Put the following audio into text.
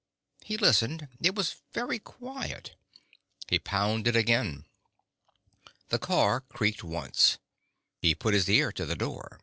He listened. It was very quiet. He pounded again. The car creaked once. He put his ear to the door.